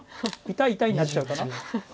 痛い痛いになっちゃうかな。